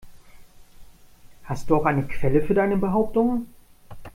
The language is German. Hast du auch eine Quelle für deine Behauptungen?